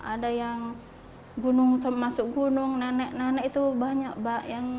ada yang gunung masuk gunung nenek nenek itu banyak mbak